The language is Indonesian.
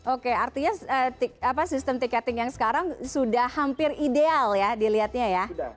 oke artinya sistem tiketing yang sekarang sudah hampir ideal ya dilihatnya ya